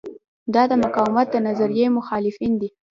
دا د مقاومت د نظریې مخالفین دي.